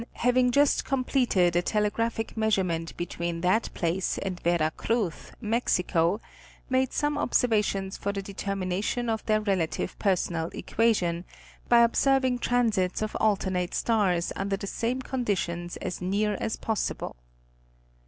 having just completed a telegraphic measurement between that place and Vera Cruz, Mexico, made some observations for the determination — of their relative personal equation, by observing transits of alter nate stars under the same conditions as near as possible.